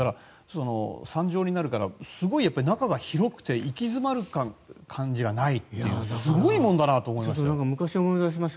３乗になるからすごい中が広くて息詰まる感じがないというかすごいものだなと思いました。